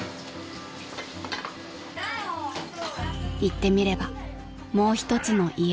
［言ってみればもう一つの家］